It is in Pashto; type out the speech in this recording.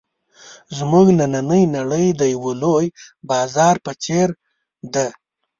زموږ نننۍ نړۍ د یوه لوی بازار په څېر ده.